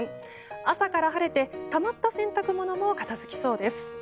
朝から晴れて、たまった洗濯物も片付きそうです。